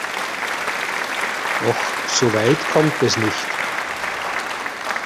Doch soweit kommt es nicht.